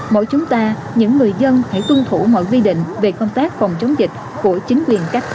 mỗi chúng ta những người dân hãy tuân thủ mọi quy định về công tác phòng chống dịch của chính quyền các cấp đề ra